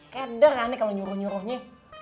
kedar aneh kalo nyuruh nyuruhnya